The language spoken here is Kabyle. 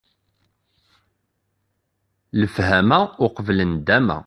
Lefhama uqbel ndama!